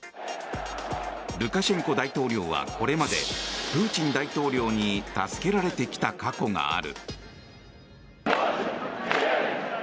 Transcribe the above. ルカシェンコ大統領は、これまでプーチン大統領に助けられてきた過去がある。